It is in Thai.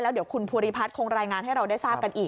เดี๋ยวคุณภูริพัฒน์คงรายงานให้เราได้ทราบกันอีก